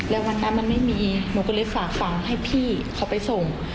แล้ววันนั้นมันไม่มีหนูก็เลยฝากฝั่งให้พี่เขาไปส่ง